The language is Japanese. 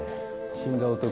死んだ男